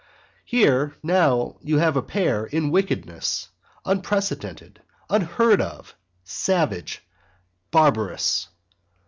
Here now you have a pair equal in wickedness; unprecedented, unheard of, savage, barbarous.